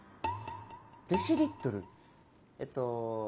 デシリットル？えっと。